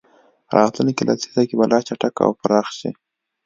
راتلونکې لسیزه کې به لا چټک او پراخ شي.